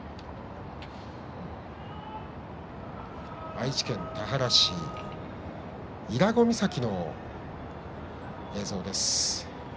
愛知県田原市伊良湖岬の映像です。